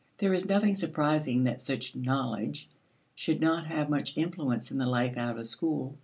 There is nothing surprising that such "knowledge" should not have much influence in the life out of school.